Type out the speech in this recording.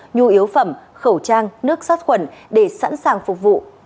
nhu yếu phẩm khẩu trang nước sát khuẩn để sẵn sàng phục vụ